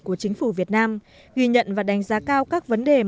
của chính phủ việt nam ghi nhận và đánh giá cao các vấn đề